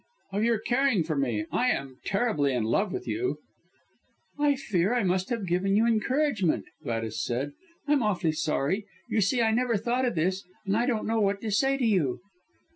"Of your caring for me! I am terribly in love with you." "I fear I must have given you encouragement," Gladys said. "I'm awfully sorry. You see I never thought of this, and I don't know what to say to you."